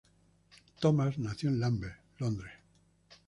Thomas nació en Lambeth, Londres.